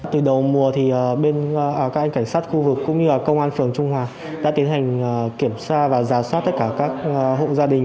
từ đầu mùa thì bên các anh cảnh sát khu vực cũng như công an phường trung hòa đã tiến hành kiểm tra và giả soát tất cả các hộ gia đình